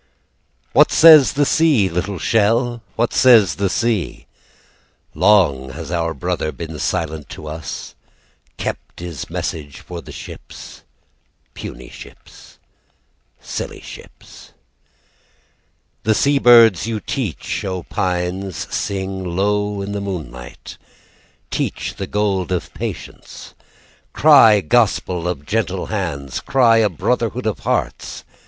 "What says the sea, little shell? "What says the sea? "Long has our brother been silent to us, "Kept is message for the ships, "Puny ships, silly ships." "The sea bids you teach, O Pines, "Sing low in the moonlight; "Teach the gold of patience, "Cry gospel of gentle hands, "Cry a brotherhood of hearts.